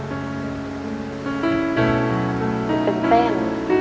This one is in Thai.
เป็นเป้ม